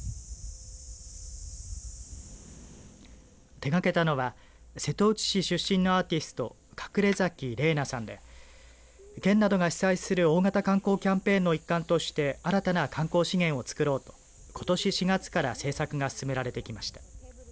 手がけたのは瀬戸内市出身のアーティスト隠崎麗奈さんで県などが主催する大型観光キャンペーンの一環として新たな観光資源を作ろうとことし４月から制作が進められてきました。